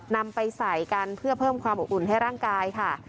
นำไปใส่กันเพื่อเพิ่มความอบอุ่นให้ร่างกายค่ะ